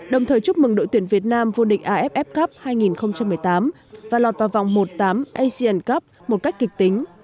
đồng thời chúc mừng đội tuyển việt nam vô địch aff cup hai nghìn một mươi tám và lọt vào vòng một tám asian cup một cách kịch tính